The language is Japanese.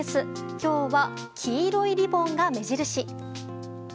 今日は、黄色いリボンが目印。